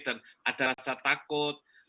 dan ada rasa takut